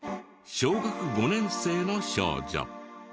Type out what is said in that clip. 小学５年生の少女。